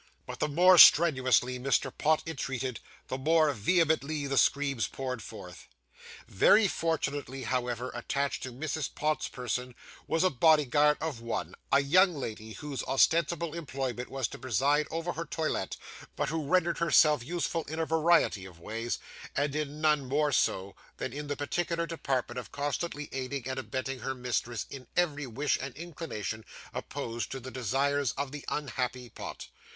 But the more strenuously Mr. Pott entreated, the more vehemently the screams poured forth. Very fortunately, however, attached to Mrs. Pott's person was a bodyguard of one, a young lady whose ostensible employment was to preside over her toilet, but who rendered herself useful in a variety of ways, and in none more so than in the particular department of constantly aiding and abetting her mistress in every wish and inclination opposed to the desires of the unhappy Pott.